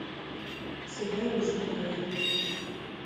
Сыда узыфаер?